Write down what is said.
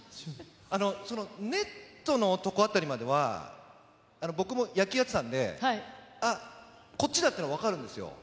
ネットのとこ辺りまでは、僕も野球やってたんで、あっ、こっちだっていうのは分かるんですよ。